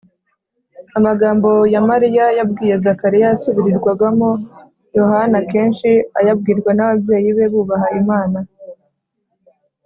Amagambo ya marayika yabwiye Zakariya yasubirirwagamo Yohana kenshi ayabwirwa n’ababyeyi be bubaha Imana.